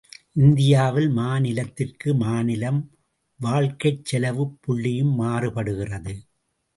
இந்தியாவில் மாநிலத்திற்கு மாநிலம் வாழ்க்கைச்செலவுப் புள்ளியும் மாறுபடுகிறது.